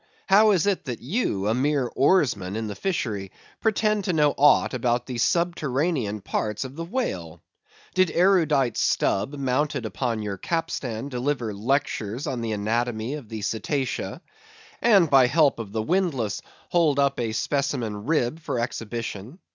How is it, that you, a mere oarsman in the fishery, pretend to know aught about the subterranean parts of the whale? Did erudite Stubb, mounted upon your capstan, deliver lectures on the anatomy of the Cetacea; and by help of the windlass, hold up a specimen rib for exhibition?